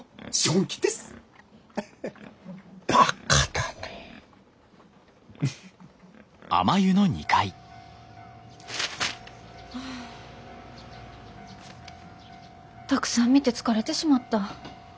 たくさん見て疲れてしまった。